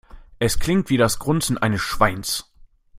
Es klingt wie das Grunzen eines Schweins.